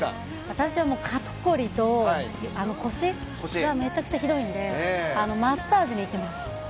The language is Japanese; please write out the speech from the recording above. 私はもう、肩凝りと腰がめちゃくちゃひどいんで、マッサージに行きます。